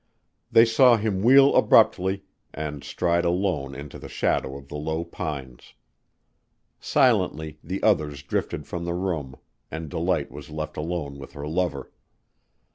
They saw him wheel abruptly and stride alone into the shadow of the low pines. Silently the others drifted from the room and Delight was left alone with her lover.